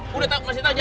masih tau jalannya